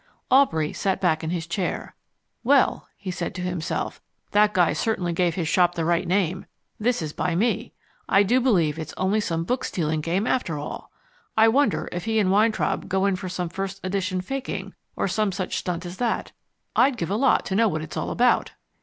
Aubrey sat back in his chair. "Well," he said to himself, "that guy certainly gave his shop the right name. This is by me. I do believe it's only some book stealing game after all. I wonder if he and Weintraub go in for some first edition faking, or some such stunt as that? I'd give a lot to know what it's all about."